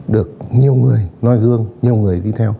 được nhiều người noi gương nhiều người đi theo